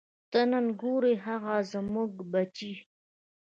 ته نه ګورې هغه زموږ بچی.